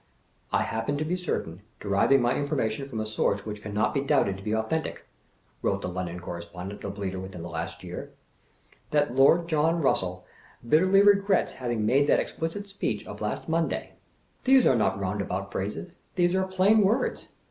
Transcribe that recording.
" I happen to be certain, deriving my information from a source which cannot be doubted to be authentic," wrote the London Correspondent of the Bleater, within the last year, " that Lord John Eussell bit terly regrets having made that explicit speech of last Mon day." These are not roundabout phrases; these are plain words.